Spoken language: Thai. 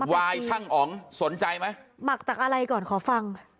วายช่างอ๋องสนใจไหมหมักจากอะไรก่อนขอฟัง